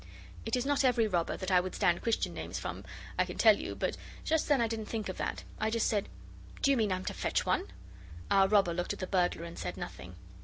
It is not every robber that I would stand Christian names from, I can tell you but just then I didn't think of that. I just said 'Do you mean I'm to fetch one?' Our robber looked at the burglar and said nothing.